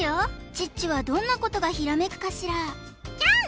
チッチはどんなことがひらめくかしらチャン！